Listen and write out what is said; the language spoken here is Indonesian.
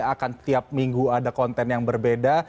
akan tiap minggu ada konten yang berbeda